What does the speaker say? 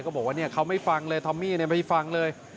บอกว่าเขาไม่ฟังเลยทอมมี่ไม่ฟังเลย